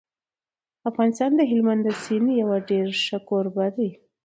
افغانستان د هلمند د سیند یو ډېر ښه کوربه دی.